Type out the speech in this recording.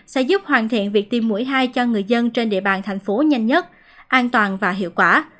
sẽ giúp hoàn thiện việc tiêm mũi hai cho người dân trên địa bàn thành phố nhanh nhất an toàn và hiệu quả